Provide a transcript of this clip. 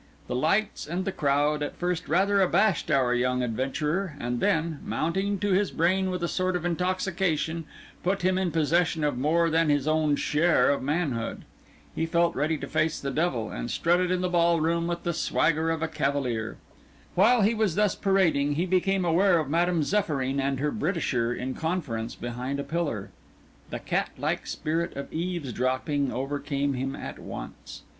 The lights and the crowd at first rather abashed our young adventurer, and then, mounting to his brain with a sort of intoxication, put him in possession of more than his own share of manhood. He felt ready to face the devil, and strutted in the ballroom with the swagger of a cavalier. While he was thus parading, he became aware of Madame Zéphyrine and her Britisher in conference behind a pillar. The cat like spirit of eaves dropping overcame him at once.